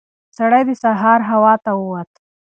سړی د سهار هوا ته ووت.